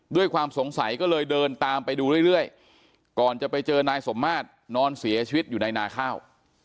ด้วยความสงสัยก็เลยเดินตามไปดูเรื่อยก่อนจะไปเจอนายสมมาตรนอนเสียชีวิตอยู่ในนาข้าว